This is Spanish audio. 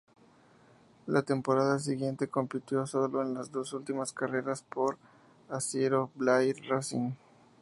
La temporada siguiente, compitió solo en las dos últimas carreras por Arciero-Blair Racing.